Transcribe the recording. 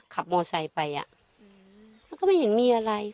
กลับโมไซไปมันก็ไม่เห็นมีอะไร